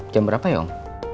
jam berapa ya om